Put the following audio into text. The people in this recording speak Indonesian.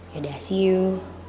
yaudah see you